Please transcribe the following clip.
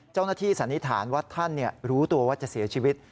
เจ้าหน้าที่สันนิษฐานว่าท่านรู้ตัวว่าจะเสียชีวิต